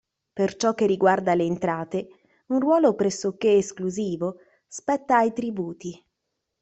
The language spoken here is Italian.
Per ciò che riguarda le entrate, un ruolo pressoché esclusivo spetta ai tributi.